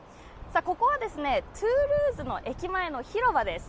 ここは、トゥールーズの駅前の広場です。